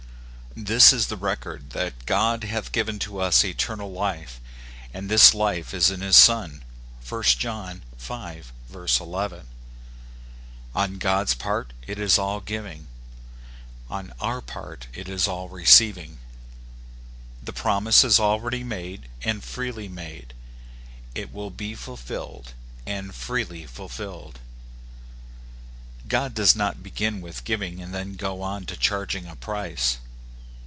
" This is the record, that God hath given to us eternal life, and this life is in his Son " (i John v. 1 1). On God's part it is all giving; on our part it is all receiving. The prom ise is already made, and freely made : it will be fulfilled, and freely fulfilled. God does not begin with giving, and then go on to charging a price.